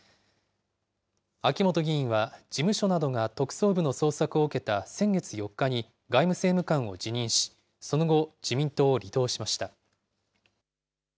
秋本議員は、事務所などが特捜部の捜索を受けた先月４日に、外務政務官を辞任し、その後、自民党を離党しました。